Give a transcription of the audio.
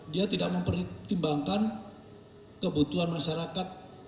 dia tidak mempertimbangkan kebutuhan masyarakat